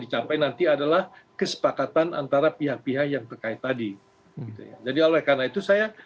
dicapai nanti adalah kesepakatan antara pihak pihak yang terkait tadi jadi oleh karena itu saya